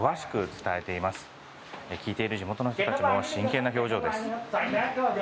聞いている地元の人たちも真剣な表情です。